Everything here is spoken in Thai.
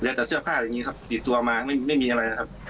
แล้วแต่เสื้อผ้าอย่างนี้ครับติดตัวมาไม่มีอะไรนะครับ